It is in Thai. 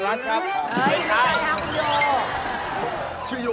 อยู่ในใกล้ไหลคุณโย